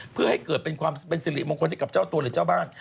เพื่อให้เกิดเป็นสิริมงคลที่กับเจ้าตัวหรือเจ้าบ้าน